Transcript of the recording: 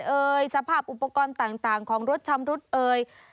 สภาพอุปกรณ์ต่างของรถชำรุดเอ่ย